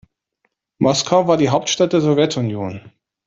Moskau war die Hauptstadt der Sowjetunion.